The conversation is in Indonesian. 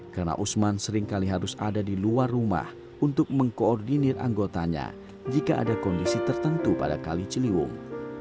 karena usman seringkali harus ada di luar rumah untuk mengkoordinir anggotanya jika ada kondisi tertentu pada kali celiwung